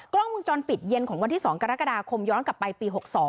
กล้องวงจรปิดเย็นของวันที่๒กรกฎาคมย้อนกลับไปปี๖๒